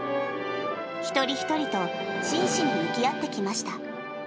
一人一人と真摯に向き合ってきました。